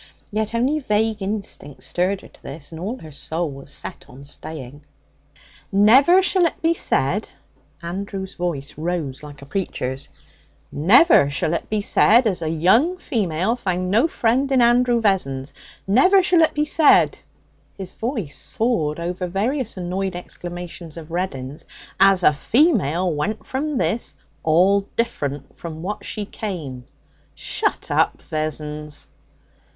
Yet only vague instinct stirred her to this, and all her soul was set on staying. 'Never shall it be said' Andrew's voice rose like a preacher's 'never shall it be said as a young female found no friend in Andrew Vessons; never shall it be said' his voice soared over various annoyed exclamations of Reddin's 'as a female went from this 'all different from what she came.' 'Shut up, Vessons!'